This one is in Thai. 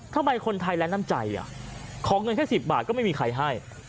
ทำไมคนไทยและน้ำใจขอเงินแค่๑๐บาทก็ไม่มีใครให้